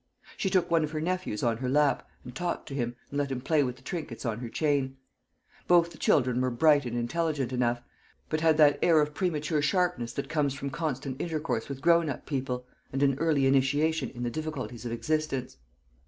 She took one of her nephews on her lap, and talked to him, and let him play with the trinkets on her chain. Both the children were bright and intelligent enough, but had that air of premature sharpness which comes from constant intercourse with grown up people, and an early initiation in the difficulties of existence.